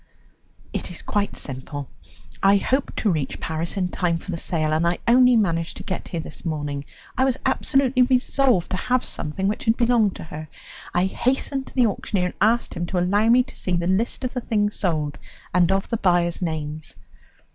"It is quite simple. I hoped to reach Paris in time for the sale, and I only managed to get here this morning. I was absolutely resolved to have something which had belonged to her, and I hastened to the auctioneer and asked him to allow me to see the list of the things sold and of the buyers' names.